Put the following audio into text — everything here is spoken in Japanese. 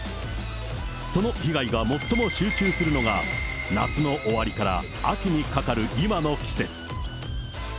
その被害が最も集中するのが、夏の終わりから秋にかかる今の季節。